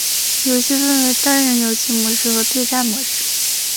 游戏分为单人游戏模式和对战模式。